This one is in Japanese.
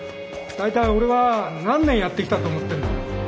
大体俺が何年やってきたと思ってんだ。